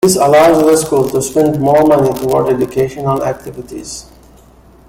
This allows the school to spend more money towards educational activities.